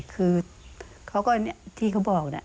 คือที่เขาบอกนะ